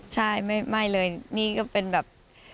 ใช่ไม่เลยนี่ก็เป็นแบบ